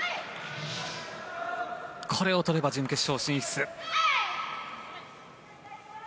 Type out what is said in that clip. これを取れば準決勝進出。